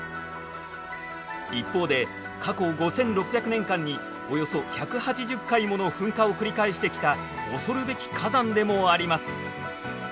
一方で過去５，６００年間におよそ１８０回もの噴火を繰り返してきた恐るべき火山でもあります。